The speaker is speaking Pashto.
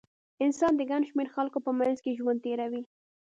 انسان د ګڼ شمېر خلکو په منځ کې ژوند تېروي.